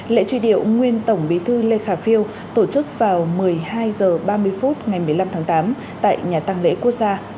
lễ truy điệu nguyên tổng bí thư lê khả phiêu tổ chức vào một mươi hai h ba mươi phút ngày một mươi năm tháng tám tại nhà tăng lễ quốc gia